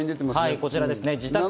こちらですね。